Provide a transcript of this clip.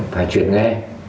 phải chuyển nghe